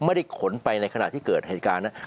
ไม่ได้ขนไปในขณะที่เกิดเหตุการณ์นะ